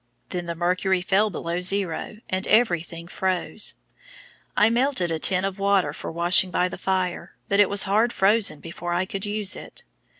Then the mercury fell below zero, and everything froze. I melted a tin of water for washing by the fire, but it was hard frozen before I could use it.